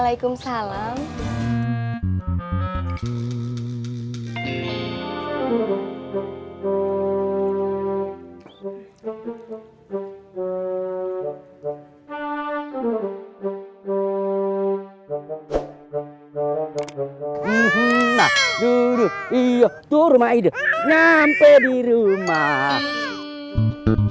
assalamualaikum tim waalaikumsalam